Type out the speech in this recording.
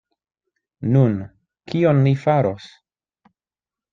Nun, kion li faros?